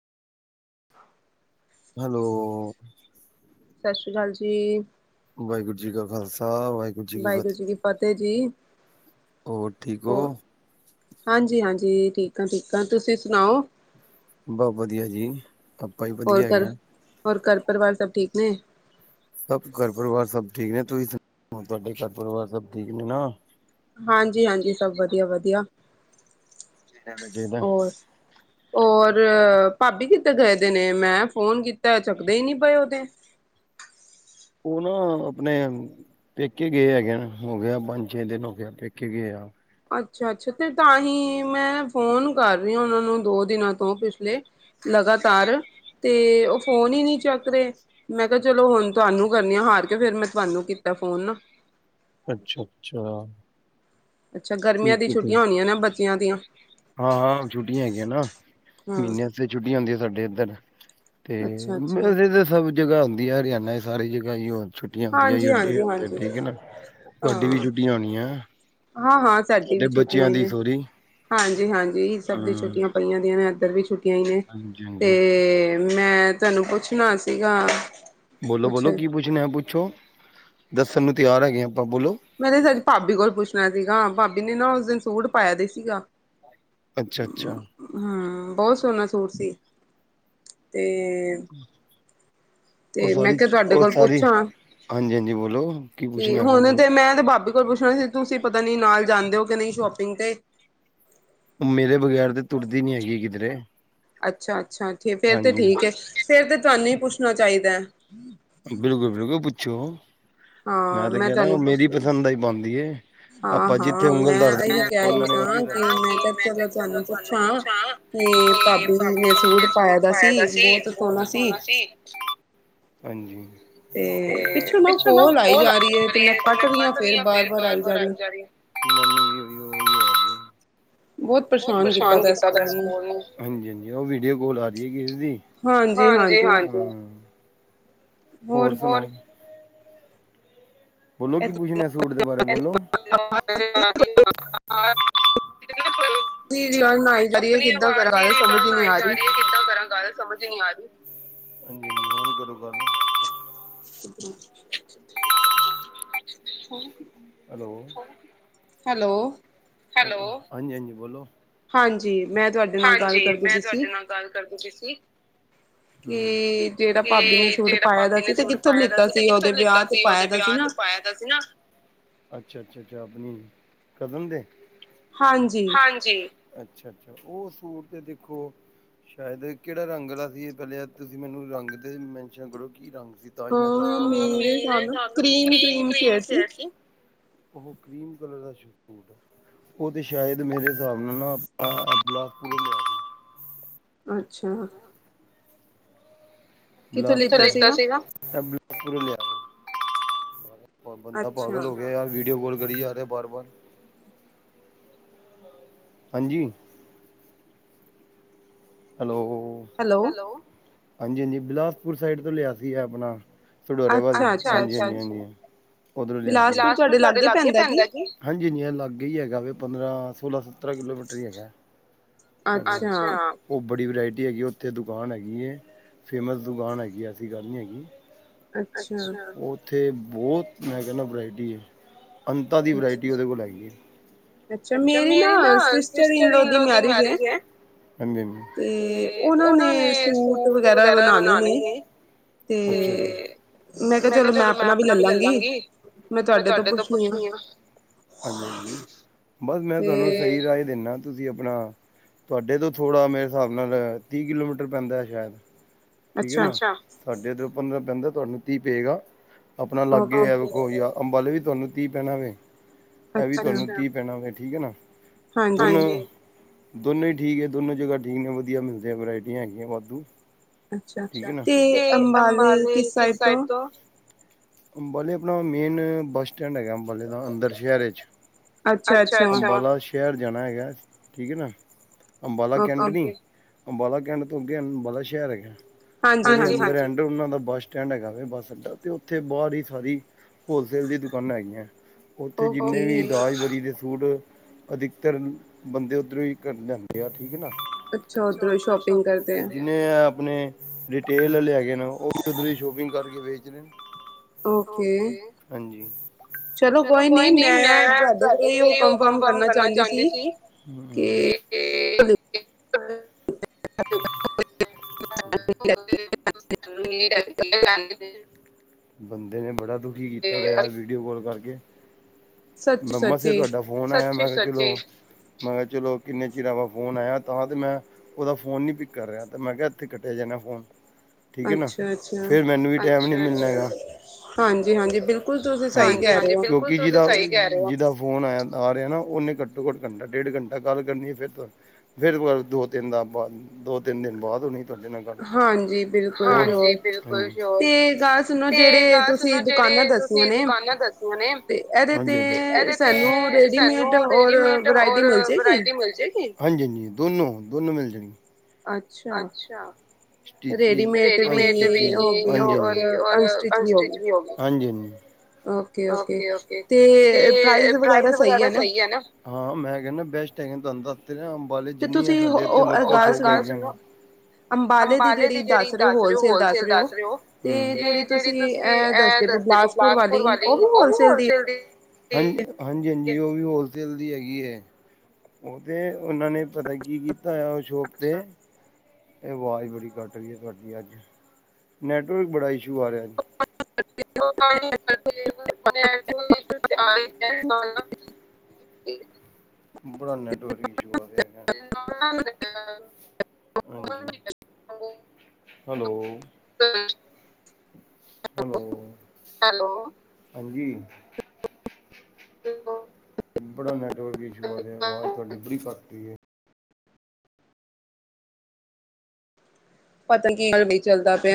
Hello. Waheguru ji ਕਾ ਖਾਲਸਾ, ਵਾਹਿਗੁਰੂ ਵਾਹਿਗੁਰੂ ਜੀ ਕੀ ਫਤਿਹ ਜੀ, ਹੋਰ। ਹਾਂਜੀ -ਹਾਂਜੀ ਠੀਕ ਆ ਠੀਕ ਆ ਤੁਸੀਂ ਸੁਣਾਓ। ਬਹੁਤ ਵਧੀਆ ਜੀ। ਹੋਰ ਘਰ, ਹੋਰ ਘਰ -ਪਰਿਵਾਰ ਸਭ ਠੀਕ ਨੇ। ਸਭ ਘਰ ਪਰਿਵਾਰ ਸਭ ਠੀਕ ਨੇ, ਤੁਸੀਂ ਸੁਣਾਓ ਤੁਹਾਡੇ ਘਰ ਪਰਿਵਾਰ ਸਭ ਠੀਕ ਨੇ ਨਾ। ਹਾਂਜੀ- ਹਾਂਜੀ, ਸਭ ਵਧੀਆ- ਵਧੀਆ, ਹੋਰ। ਔਰ ਭਾਬੀ ਕਿਥੇ ਗਏ ਦੇ ਨੇ, ਮੈਂ ਫੋਨ ਕੀਤਾ ਚੱਕਦੇ ਹੀ ਨਹੀਂ ਪਏ ਉਹਤੇ। ਉਹ ਨਾ ਆਪਣੇ ਪੇਕੇ ਗਏ ਹੈਗੇ, ਹੋ ਗਿਆ ਪੰਜ -ਛੇ ਦਿਨ ਹੋ ਗਿਆ, ਪੇਕੇ ਗਏ ਆ ਅੱਛਾ, ਅੱਛਾ ਤੇ ਤਾਂ ਹੀ ਮੈਂ ਫੋਨ ਕਰ ਰਹੀ ਆ ਉਹਨਾਂ ਨੂੰ ਦੋ ਦਿਨਾਂ ਤੋਂ ਪਿਛਲੇ ਲਗਾਤਾਰ, ਤੇ ਉਹ ਫੋਨ ਹੀ ਨਹੀਂ ਚੁੱਕ ਰਹੇ ਮੈਂ ਕਿਹਾ ਚਲੋ ਹੁਣ ਤੁਹਾਨੂੰ ਕਰਨੀ ਆ, ਹਾਰ ਕੇ ਫੇਰ ਮੈਂ ਤੁਹਾਨੂੰ ਕੀਤਾ ਫੋਨ ਨਾ ਅੱਛਾ, ਅੱਛਾ ਅੱਛਾ, ਗਰਮੀਆਂ ਦੀਆਂ ਛੁੱਟੀਆਂ ਹੋਣੀਆਂ ਨਾ ਬੱਚਿਆਂ ਦੀਆਂ ਹਾਂ ਤੇ ਛੁੱਟੀਆਂ ਹੁੰਦੀਆਂ ਸਾਡੇ ਇੱਧਰ, ਤੇ ਅਸੀ ਤੇ ਸਭ ਸਾਰੀ ਜਗ੍ਹਾ ਹੁੰਦੀ ਆ, ਹਰਿਆਣਾ 'ਚ ਸਾਰੀ ਜਗ੍ਹਾ ਹੀ ਹੁੰਦੀ ਛੁ ਛੁੱਟੀਆਂ ਹੁੰਦੀਆਂ, ਠੀਕ ਨਾ ਤੁਹਾਡੀ ਵੀ ਛੁੱਟੀਆਂ ਹੋਣੀਆਂ ਹਾਂ-ਹਾਂ, ਸਾਡੀ ਵੀ ਛੁੱਟੀਆਂ ਹੀ ਨੇ ਹਾਂਜੀ, ਹਾਂਜੀ ਸਭ ਦੀ ਛੁੱਟੀਆਂ ਪਈਆਂ ਹੁੰਦੀਆਂ ਨੇ ਇੱਧਰ ਵੀ ਛੁੱਟੀਆਂ ਹੀ ਨੇ। ਤੇ ਮੈਂ ਤੁਹਾਨੂੰ ਪੁੱਛਣਾ ਸੀਗਾ ਬੋਲੋ, ਬੋਲੋ ਕੀ ਪੁੱਛਣਾ ਪੁੱਛੋ ਦੱਸਣ ਨੂੰ ਤਿਆਰ ਹੈਗੇ ਆਪਾਂ ਬੋਲੋ। ਮੈਂ ਤੇ ਸਾਡੀ ਭਾਬੀ ਕੋਲ ਪੁੱਛਣਾ ਸੀਗਾ ਭਾਬੀ ਨੇ ਨਾ ਉਸ ਦਿਨ ਸੂਟ ਪਾਇਆ ਦੇ ਸੀਗਾ ਅੱਛਾ-ਅੱਛਾ ਹੂੰ ਬਹੁਤ ਸੋਹਣਾ ਸੂਟ ਸੀ ਤੇ। ਉਹ ਸੋਰੀ ਉਹ ਸੋਰੀ ਹਾਂਜੀ- ਹਾਂਜੀ ਬੋਲੋ। ਕੀ ਹੁਣ ਤੇ ਮੈਂ ਤੇ ਭਾਬੀ ਕੋਲ ਪੁੱਛਣਾ ਸੀ ਤੁਸੀਂ ਪਤਾ ਨੀ ਨਾਲ ਜਾਂਦੇ ਹੋ ਕਿ ਨਹੀਂ ਸ਼ੋਪਿੰਗ ਤੇ ਉਹ ਮੇਰੇ ਬਗੈਰ ਤੇ ਤੁਰਦੀ ਨੀ ਹੈਗੀ ਕਿਧਰੇ। ਅੱਛਾ, ਅੱਛਾ ਫੇਰ ਤੇ ਠੀਕ ਏ ਫੇਰ ਤੇ ਤੁਹਾਨੂੰ ਹੀ ਪੁੱਛਣਾ ਚਾਹੀਦਾ। ਬਿਲਕੁਲ, ਬਿਲਕੁਲ ਪੁੱਛੋ ਮੈਂ ਤੇ ਕਹਿ ਰਿਹਾ ਉਹ ਮੇਰੀ ਪਸੰਦ ਦਾ ਹੀ ਪਾਂਦੀ ਏ। ਆਪਾ ਜਿੱਥੇ ਉਂਗਲ ਦਰ [inaudible] ਤੇ ਭਾਬੀ ਨੇ ਜੋ ਸੂਟ ਪਾਇਆ ਦਾ ਸੀ ਬਹੁਤ ਸੋਹਣਾ ਸੀ ਹਾਂਜੀ। ਤੇ ਪਿੱਛੋਂ ਨਾ [inaudible] ਰਹੀ ਹੈ ਤੇ ਮੈਂ ਕੱਟ ਰਹੀ ਆ ਫੇਰ ਬਾਰ ਬਾਰ ਆਈ ਜਾ ਰਹੀ ਏ। [inaudible] ਹਾਂ ਬਹੁਤ ਪ੍ਰੇਸ਼ਾਨ ਕੀਤਾ ਦੇਆਂ ਇਸ ਫੋਨ ਨੇ ਹਾਂਜੀ -ਹਾਂਜੀ ਉਹ ਵੀਡੀਓ ਕਾਲ ਆ ਦੀ ਹਾਂਜੀ -ਹਾਂਜੀ ਹੋਰ ਸੁਣਾਓ ਬੋਲੋ ਕੀ ਪੁੱਛਣਾ ਸੂਟ ਦੇ ਬਾਰੇ ਬੋਲੋ ਜੀ -ਜੀ ਆਪਣੀ ਆਵਾਜ਼ ਹੀ ਇਦਾਂ ਬਣਾਈ ਜਾ ਰਹੀ ਹੈ ਕਿੱਦਾਂ ਕਰਾਂ ਗੱਲ ਸਮਝ ਜਿਮਾਰੀ, [unintelligible] ਕਰੂਗਾ ਨਾ। [inaudible] ਹੈਲੋ। ਹੈਲੋ। ਹੈਲੋ ਹਾਂਜੀ, ਹਾਂਜੀ ਬੋਲੋ। ਹਾਂਜੀ ਮੈਂ ਤੁਹਾਡੇ ਨਾਲ ਗੱਲ ਕਰਦੀ ਪਈ ਸੀ। ਗੱਲ ਕਰਦੀ ਪਈ ਸੀਗੀ। ਕੇ ਜਿਹੜਾ ਭਾਬੀ ਨੇ ਸੂਟ ਪਾਇਆ ਦਾ ਸੀ ਤੇ ਕਿੱਥੋਂ ਲਿੱਤਾ ਸੀ ਉਹਦੇ ਵਿਆਹ ਤੇ ਪਾਇਆ। ਅੱਛਾ, ਅੱਛਾ ਆਪਣੀ ਕਜਨ ਦੇ। ਹਾਂਜੀ। ਹਾਂਜੀ ਅੱਛਾ, ਅੱਛਾ ਉਹ ਸੂਟ ਤੇ ਦੇਖੋ। ਸ਼ਾਇਦ ਕਿਹੜਾ ਰੰਗ ਦਾ ਸੀ ਪਹਿਲਾਂ ਅ ਤੁਸੀਂ ਮੈਨੂੰ ਰੰਗ ਤੇ ਮੈਨਸ਼ਨ ਕਰੋ ਕੀ ਰੰਗ ਸੀ। ਮੇਰੇ ਹਿਸਾਬ ਨਾਲ ਕਰੀਮ- ਕਰੀਮ ਸੀ। ਉਹ ਕਰੀਮ ਕਲਰ ਦਾ ਸੂਟ ਉਹ ਤੇ ਸ਼ਾਇਦ ਮੇਰੇ ਹਿਸਾਬ ਨਾਲ ਨਾ। [unintelligible] ਆ ਅੱਛਾ ਕਿੱਥੋਂ ਲਿਤਾ ਸੀਗਾ ਬ ਲਿਆ ਬੰਦਾ ਪਾਗਲ ਹੋ ਗਿਆ ਯਾਰ ਵੀਡੀਓ ਕਾਲ ਕਰੀ ਜਾ ਰਿਹਾ ਹਾਂਜੀ ਹੈਲੋ ਹੈਲੋ ਹਾਂਜੀ- ਹਾਂਜੀ ਬਿਲਾਸਪੁਰ ਸਾਈਡ ਤੋਂ ਲਿਆ ਸੀ ਆਪਣਾ ਸਢੋਰੇਆਲੇ ਅੱਛਾ -ਅੱਛਾ ੳਧਰੋ ਲਿਆ ਬਿਲਾਸਪੁਰ ਤੁਹਾਡੇ ਲਾਗੇ ਪੈਂਦਾ ਕਿ ਹਾਂਜੀ ਹਾਂਜੀ ਇਹ ਲਾੱਗੇ ਹੀ ਹੈਗਾ ਵੀ ਪੰਦਰਾਂ ਸੋਲਾਂ ਸੱਤਰਾਂ ਕਿਲੋਮੀਟਰ ਹੀ ਹੈਗਾ ਅੱਛਾ ਉਹ ਬੜੀ ਵਰਾਇਟੀ ਹੈਗੀ ਉੱਥੇ ਦੁਕਾਨ ਹੈਗੀ ਹੈ ਫੇਮਸ ਦੁਕਾਨ ਹੈਗੀ ਐਸੀ ਗੱਲ ਨਹੀਂ ਹੈਗੀ ਅਛਾ ਉਥੇ ਬਹੁਤ ਮ ਕਿਹਣਾ ਹਾਂ ਵਰਾਇਟੀ ਐ ਅੰਤਾ ਦੀ ਵਰਾਇਟੀ ਉਹਦੇ ਕੋਲ ਹੈਗੀ ਹੈ ਅੱਛਾ ਮੇਰੀ ਨਾ ਸਿਸਟਰ ਇਨਲੋ ਦੀ ਮੈਰਿਜ ਏ ਤੇ ਉਹਨਾਂ ਨੇ ਸੂਟ ਵਗੈਰਾ ਬਣਾਣੇ ਨੇ ਅਤੇ ਮੈਂ ਕਿਹਾ ਚਲੋ ਮੈਂ ਆਪਣਾ ਵੀ ਲੈਲਾਂਗੀ ਮੈਂ ਤੁਹਾਡੇ ਤੋਂ ਪੁੱਛਣੀ ਆ ਹਾਂਜੀ -ਹਾਂਜੀ ਬਸ ਮੈਂ ਤੁਹਾਨੂੰ ਸਹੀ ਰਾਏ ਦਿੰਦਾ ਤੁਸੀਂ ਆਪਣਾ ਤੁਹਾਡੇ ਤੋਂ ਥੋੜ੍ਹਾ ਮੇਰੇ ਹਿਸਾਬ ਨਾਲ ਤੀਹ ਕਿਲੋਮੀਟਰ ਪੈਂਦਾ ਸ਼ਾਇਦ ਠੀਕ ਹੈ ਨਾ ਸਾਡੇ ਇੱਦਰੋ ਪੰਦਰਾਂ ਪੈਂਦਾ ਤੁਹਾਨੂੰ ਤੀਹ ਪਏਗਾ ਆਪਣਾ ਲਾਗੇ ਹੈ ਵੇਖੋ ਜਾਂ ਅੰਬਾਲਾ ਵੀ ਤੁਹਾਨੂੰ ਤੀਹ ਪੈਣਾ ਵੇ ਇਹ ਵੀ ਤੁਹਾਨੂੰ ਤੀਹ ਪੈਣਾ ਵੇ ਠੀਕ ਹੈ ਨਾ ਦੋਨੋਂ ਹੀ ਠੀਕ ਹੈ ਦੋਨੋਂ ਜਗ੍ਹਾ ਠੀਕ ਨੇ ਵਦੀਆ ਮਿਲਦੇ ਹੈ ਵਰਾਇਟੀਆਂ ਹੈਗੀਆਂ ਵਾਧੂ ਅਛਾ ਤੇ ਅੰਬਾਲੇ ਕਿਸ ਸਾਈਡ ਤੋਂ ਅੰਬਲੇ ਆਪਣਾ ਮੇਨ ਬੱਸ ਸਟੈਂਡ ਹੈਗਾ ਅੰਬਾਲੇ ਦਾ ਅੰਦਰ ਸ਼ਹਿਰ 'ਚ ਅੰਬਾਲਾ ਸ਼ਹਿਰ ਜਾਣਾ ਹੈਗਾ ਠੀਕ ਹੈ ਨਾ ਅੰਬਾਲਾ ਕੈਂਟ ਨੀ ਅੰਬਾਲਾ ਕੈਟ ਤੋਂ ਅੱਗੇ ਅੰਬਾਲਾ ਸ਼ਹਿਰ ਹੈਗਾ ਹਾਂਜੀ -ਹਾਂਜੀ ਉਹਨਾਂ ਦਾ ਬੱਸ ਸਟੈਂਡ ਹੈਗਾ ਵ ਬੱਸ ਅਡਾੱ ਤੇ ਉੱਥੇ ਬਾਹਰ ਹੀ ਸਾਰੀ ਹੋਲਸੇਲ ਦੀ ਦੁਕਾਨਾਂ ਹੈਗੀਆਂ ਉੱਥੇ ਜਿੰਨੇ ਵੀ ਦਾਜ ਵਰੀ ਦੇ ਸੁਟ ਅਧਿਕਤਰ ਬੰਦੇ ਉੱਧਰੋਂ ਹੀ ਘ ਲਿਆਦੇ ਆ ਠੀਕ ਹੈ ਨਾ ਅੱਛਾ ਉੱਦਰੋਂ ਸ਼ੋਪਿੰਗ ਕਰਦੇ ਹਾਂ ੇ ਆਪਣੇ ਰਿਟੇਲ ਆਲੇ ਆਗੇ ਨੇ ਉਹ ਵੀ ਉ ਸ਼ੋਪਿੰਗ ਕਰਕੇ ਵੇਚ ਰਹੇ ਨੇ ਚਲੋ ਕੋਈ ਨੀ ਮੈਂ ਤੁਹਾਡੇ ਉਹ ਕੰਨਫਰਮ ਕਰਨਾ ਚਾਹੁੰਦੇ ਸੀ ਹ ਹ ਬੰਦੇ ਨੇ ਬੜਾ ਦੁਖੀ ਵੀਡੀਓ ਕਾਲ ਕਰਕੇ ਸੱਚ ਸੱਚੀ ਫੋਨ ਆਇਆ ਮੈਂ ਕਿਹਾ ਚਲੋ ਮੈਂ ਕਿਹਾ ਚਲੋ ਕਿੰਨੇ ਚਿਰਾਂ ਵਾ ਫੋਨ ਆਇਆ ਤਾਂ ਤੇ ਮੈਂ ਉਹਦਾ ਫੋਨ ਨੀ ਪਿਕ ਕਰ ਰਿਹਾ ਤੇ ਮੈਂ ਕਿਹਾ ਇੱਥੇ ਕੱਟਿਆ ਜਾਣਾ ਫੋਨ ਠੀਕ ਹੈ ਨਾ ਫਿਰ ਮੈਨੂੰ ਵੀ ਟੈਮ ਨਹੀਂ ਮਿਲੇਗਾ ਹਾਂਜੀ -ਹਾਂਜੀ ਬਿਲਕੁਲ ਤੁਸੀਂ ਸਹੀ ਕਹਿ ਰਹੇ ਹੋ ਜਿਦਾ ਫੋਨ ਆਇਆ ਆ ਰਿਹਾ ਨਾ ਉਹਨੇ ਘੱਟੋ ਘੱ ਘੰਟਾ ਡੇਢ ਘੰਟਾ ਗੱਲ ਕਰਨੀ ਫਿਰ ਫਿਰ ਦੋ ਤਿੰਨ ਬਾਅਦ ਦੋ ਤਿੰਨ ਦਿਨ ਬਾਅਦ ਹੋਣੀ ਤੁਹਾਡੇ ਨਾਲ ਗਲ ਹਾਂਜੀ ਬਿਲਕੁਲ ਕ ਗੱਲ ਸੁਣੋ ਜਿੜੇ ਤੁਸੀਂ ਦੁਕਾਨਾਂ ਦੱਸੀਆਂ ਨੇ ਹਾਂਜੀ ਇਹਦੇ ਤੇ ਤੇ ਸਾਨੂੰ ਰੇਡੀਮੇਡ ਔਰ ਵਰਾਇਟੀ ਮਿਲ ਜਾਏਗੀ ਹਾਂਜੀ- ਹਾਂਜੀ ਦੋਨੋ ਦੋਨੋ ਮਿਲ ਜਾਣ ਅੱਛਾ ਰੇਡੀਮੇਟ ਵੀ ਜੋ ਵੀਔਰ ਅਣਸਟਚਿ ਵੀ ਹੋ ਓਕੇ ਓਕੇ ਤੇ ਪ੍ਰਾਈਜ਼ ਵਗੈਰਾ ਸਹੀ ਹੈ ਨਾ ਹਾਂ ਮੈਂ ਕਹਿੰਦਾ ਬੈਸਟ ਹੈ ਤੁਹਾਨੂੰ ਦਸ ਤੇ ਰੇਆ ਅੰਬਾਲੇ ਜਿੰਨੀ ਆ ਸਾਡੇਥ ਲੋਕ ਲ ਛਟ ਅੰਬਾਲੇ ਦੀ ਜੇਹੜੀ ਦੱਸ ਰਹੇ ਹੋ ਹੋਲਸੇਲ ਦੱਸ ਰਹੇ ਹੋ ਤੇ ਜਿਹੜੀ ਤੁਸੀਂ ਇਹ ਦੱਸਦੇ ਬਿਲਾਸਪੁਰ ਵਾਲੀ ਉਹ ਵੀ ਹੋਲਸੇਲ ਦੀ ਹਾਂਜੀ ਹਾਂਜੀ ਹਾਂਜੀ ਉਹ ਵੀ ਹੋਲਸੇਲ ਦੀ ਹੈਗੀ ਹੈ। ਉਹ ਤੇ ਉਹਨਾਂ ਨੇ ਪਤਾ ਕੀ ਕੀਤਾ ਉਹ ਸ਼ੋਪ 'ਤੇ ਇਹ ਆਵਾਜ਼ ਬੜੀ ਕੱਟ ਰਹੀ ਹੈ ਤੁਹਾਡੀ ਅੱਜ ਨੈੱਟਵਰਕ ਬੜਾ ਇਸ਼ੂ ਆ ਰਿਹਾ ਉਹ ਕਰ ਨ [unintelligible] [unintelligible] ਬੜਾ ਟਰੀ ਇਸ਼ੂ ਆ [unintelligible] ਹੈਲੋ ਲੋ ਹਾਂਜੀ ਬੜਾ ਨੈਟਵਰਕ ਇਸ਼ੂ ਆ ਰਿਆ ਵਾ ਤੁਡੀ ਬੜੀ ਘੱਟਈ ਹੈ ਪਤ ਕੀ ਚੱਲਦਾ ਪਿਆ